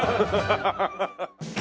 ハハハハ！